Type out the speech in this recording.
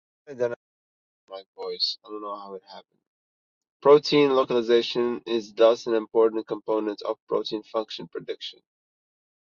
Protein localization is thus an important component of protein function prediction.